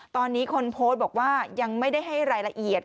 ตอนนี้คนโพสต์บอกว่ายังไม่ได้ให้รายละเอียด